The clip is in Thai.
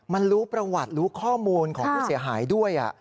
มันรู้ประวัติรู้ข้อมูลของผู้เสียหายด้วย